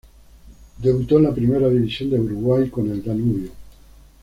Debutó en la Primera División de Uruguay con el Danubio.